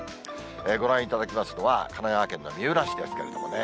ご覧いただきますのは、神奈川県の三浦市ですけどね。